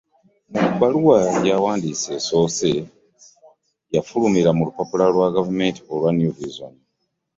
Mu bbaluwa gy'awandiise, esoose kufulumira mu lupapula lwa gavumenti olwa New Vision